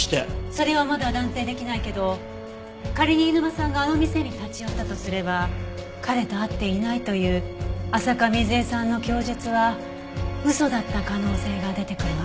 それはまだ断定できないけど仮に飯沼さんがあの店に立ち寄ったとすれば彼と会っていないという浅香水絵さんの供述は嘘だった可能性が出てくるわ。